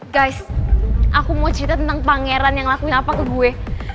guys aku mau cerita tentang pangeran yang lakuin apa ke gue